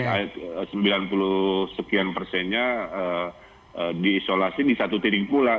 jadi sembilan puluh sekian persennya diisolasi di satu telingkulah